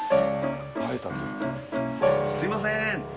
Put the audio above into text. すみません